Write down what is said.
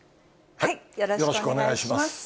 よろしくお願いします。